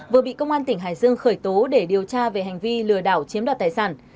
vừa bị công an tỉnh hải dương khởi tố để điều tra về hành vi lừa đảo chiếm đoạt tài sản